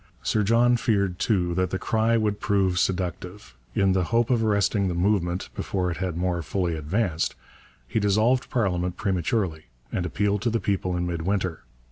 Sir John feared too that the cry would prove seductive. In the hope of arresting the movement before it had more fully advanced, he dissolved parliament prematurely and appealed to the people in mid winter.